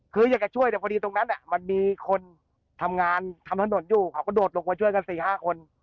คืออยากจะช่วยแต่พอดีตรงนั้นมันมีคนทำงานทำถนนอยู่เขาก็โดดลงมาช่วยกัน๔๕คน